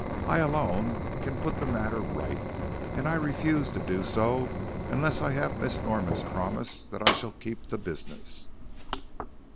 I alone can put the matter right, and I refuse to do so unless I have Miss Norman's promise that I shall keep the business."